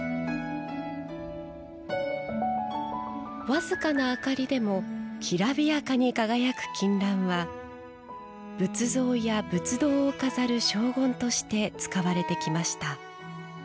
わずかな明かりでもきらびやかに輝く金襴は仏像や仏堂を飾る荘厳として使われてきました。